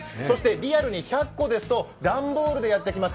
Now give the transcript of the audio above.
リアルに１００個ですと段ボールでやってきます。